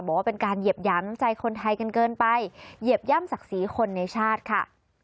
บอกว่าเป็นการเหยียบหยามใจคนไทยกันเกินไปเหยียบย่ำศักดิ์ศรีคนในชาติค่ะ